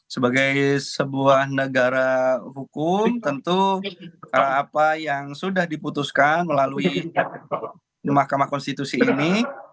sebagai sebuah negara hukum tentu apa yang sudah diputuskan melalui mahkamah konstitusi ini